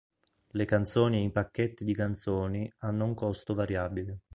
Le canzoni e i pacchetti di canzoni hanno un costo variabile.